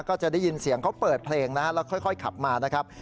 ก็จะได้ยินเสียงเขาเปิดเพลงนะฮะแล้วค่อยขับมานะครับ